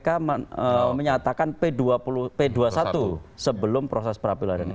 kpk menyatakan p dua puluh satu sebelum proses perapradilan